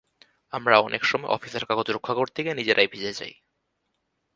আমরা অনেক সময় অফিসের কাগজ রক্ষা করতে গিয়ে নিজেরাই ভিজে যাই।